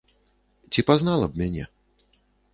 Ці пазнала б мяне?